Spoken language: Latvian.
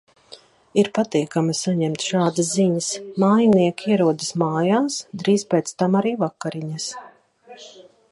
Ir patīkami saņemt šādas ziņas. Mājinieki ierodas mājās, drīz pēc tam arī vakariņas.